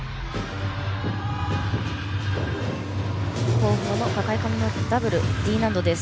後方かかえ込みのダブルＤ難度です。